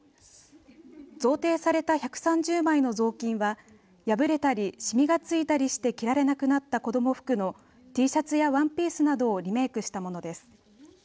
贈呈された１３０枚のぞうきんは破れたりしみが付いたりして着られなくなった子ども服のＴシャツやワンピースなどをリメークしたものです。